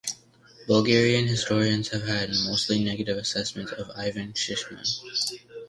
Bulgarian historians have had mostly negative assessments of Ivan Shishman.